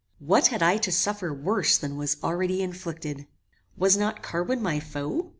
What had I to suffer worse than was already inflicted? Was not Carwin my foe?